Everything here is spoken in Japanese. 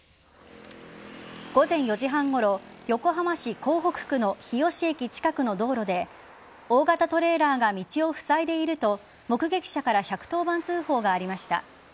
午前４時半ごろ横浜市港北区の日吉駅近くの道路で大型トレーラーが道をふさいでいると目撃者から１１０番通報がありました。